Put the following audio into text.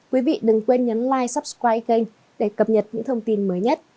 quý vị đừng quên nhấn like subscribe kênh để cập nhật những thông tin mới nhất